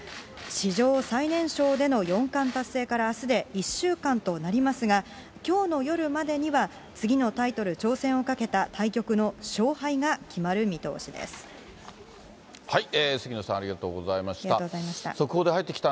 史上最年少での四冠達成からあすで１週間となりますが、きょうの夜までには次のタイトル挑戦をかけた対局の勝敗が決まる杉野さん、ありがとうございありがとうございました。